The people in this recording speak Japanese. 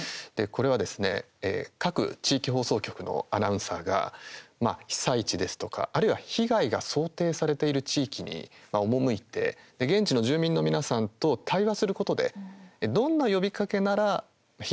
これはですね、各地域放送局のアナウンサーが被災地ですとかあるいは被害が想定されている地域に赴いて、現地の住民の皆さんと対話することでどんな呼びかけなら避難するか。